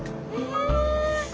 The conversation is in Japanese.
え！